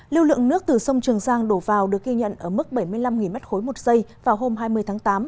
lưu lượng nước từ sông trường giang đổ vào được ghi nhận ở mức bảy mươi năm m ba một giây vào hôm hai mươi tháng tám